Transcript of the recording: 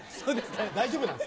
大丈夫なんですか？